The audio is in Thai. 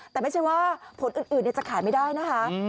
แต่ไม่ใช่ว่าผลอื่นจะขายไม่ได้นะคะ